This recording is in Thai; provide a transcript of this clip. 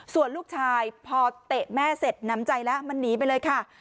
ส่วนลูกชายพอเตะแม่เสร็จน้ำใจแล้วมันหนีไปเลยค่ะ